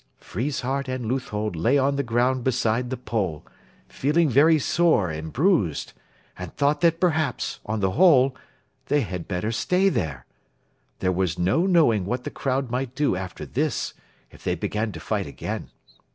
Friesshardt and Leuthold lay on the ground beside the pole, feeling very sore and bruised, and thought that perhaps, on the whole, they had better stay there. There was no knowing what the crowd might do after this, if they began to fight again.